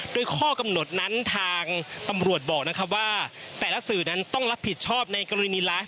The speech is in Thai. โดยข้อกำหนดนั้นทางตำรวจบอกนะครับว่าแต่ละสื่อนั้นต้องรับผิดชอบในกรณีไลฟ์